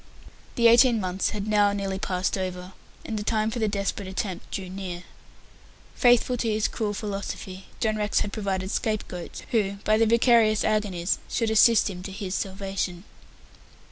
The eighteen months had now nearly passed over, and the time for the desperate attempt drew near. Faithful to his cruel philosophy, John Rex had provided scape goats, who, by their vicarious agonies, should assist him to his salvation.